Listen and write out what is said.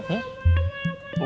bagaimana sih kang dadang